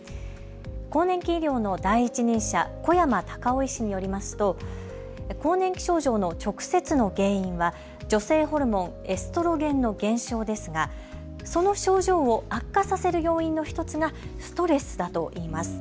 更年期医療の第一人者、小山嵩夫医師によりますと更年期症状の直接の原因は女性ホルモン・エストロゲンの減少ですが、その症状を悪化させる要因の１つがストレスだといいます。